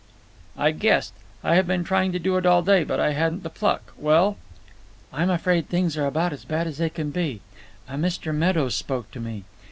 "I guessed. I have been trying to do it all day, but I hadn't the pluck. Well?" "I'm afraid things are about as bad as they can be. A Mr. Meadows spoke to me.